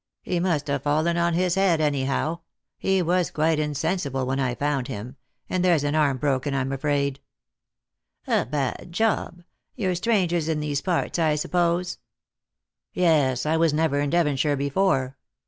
He must have ulien on his head, anyhow. He was quite insensible when I foun I him ; and there's an arm broken, I'm afraid." " A bad job. You're strangers in these parts, I suppose? "" Yes; I was never in Devonshire before.